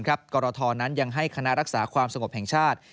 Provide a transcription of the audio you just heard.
กรทนั้นยังให้คณะรักษาความสงบแห่งชาติ